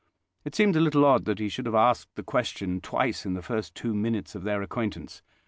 It seemed a little odd that he should have asked the question twice in the first two minutes of their acquaintance.